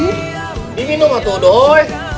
ini minum atu d'oi